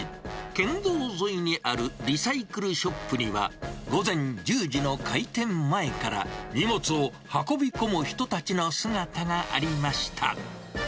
県道沿いにあるリサイクルショップには、午前１０時の開店前から、荷物を運び込む人たちの姿がありました。